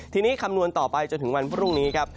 ทีนี้คำนวณต่อไปจนถึงวันพรุ่งนี้ครับ